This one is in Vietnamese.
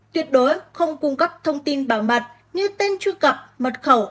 tuyệt đối không cung cấp thông tin bảo mật như tên truy cập mật khẩu